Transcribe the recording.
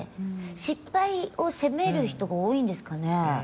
失敗を責める人が多いんですかね。